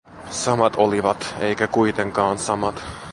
Samat olivat, eikä kuitenkaan samat.